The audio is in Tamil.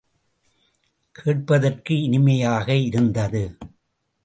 கேட்பதற்கு இனிமையாக இருந்தது.